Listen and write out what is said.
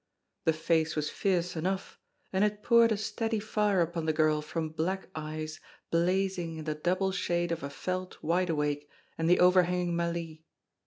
The face was fierce enough, and it poured a steady fire upon the girl from black eyes blazing in the double shade of a felt wideawake and the overhanging mallee.